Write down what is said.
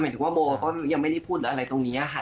ถึงว่าโบก็ยังไม่ได้พูดอะไรตรงนี้ค่ะ